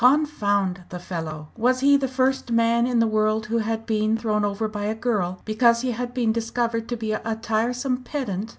Confound the fellow! Was he the first man in the world who had been thrown over by a girl because he had been discovered to be a tiresome pedant?